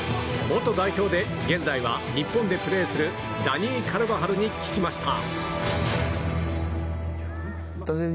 元代表で現在は日本でプレーするダニー・カルバハルに聞きました。